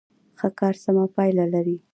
ښه کار سمه پایله لري.